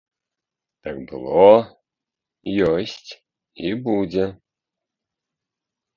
Так было, ёсць і будзе.